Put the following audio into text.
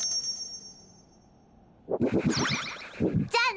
じゃあな。